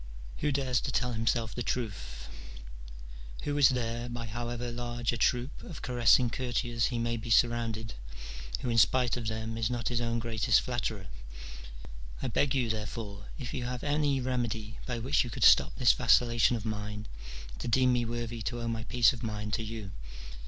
Who dares to tell himself the truth ? Who is there, by however large a troop of caressing courtiers he may be surrounded, who in spite of them is not his own greatest flatterer ? I beg you, therefore, if you have any remedy by which you could stop this vacillation of mine, to deem me worthy to owe my peace of mind to you.